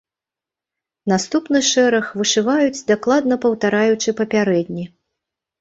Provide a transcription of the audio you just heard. Наступны шэраг вышываюць дакладна паўтараючы папярэдні.